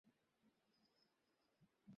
আমাদের ভারতে যতটুকু জমি আছে না সব ওর নামে করে দে।